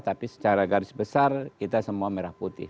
tapi secara garis besar kita semua merah putih